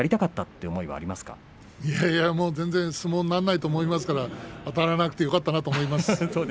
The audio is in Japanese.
いやいや、全然相撲にならないと思いますからあたれなくてよかったと思います。